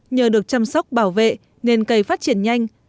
nhờ được chăm sóc bảo vệ nên cây phát triển nhanh